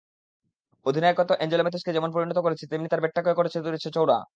অধিনায়কত্ব অ্যাঞ্জেলো ম্যাথুসকে যেমন পরিণত করেছে, তেমনি তাঁর ব্যাটটাকেও করে তুলেছে চওড়া।